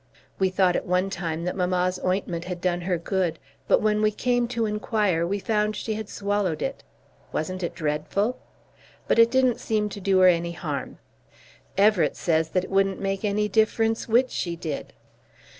We thought at one time that mamma's ointment had done her good, but when we came to inquire, we found she had swallowed it. Wasn't it dreadful? But it didn't seem to do her any harm. Everett says that it wouldn't make any difference which she did.